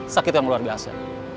sakit yang luar biasa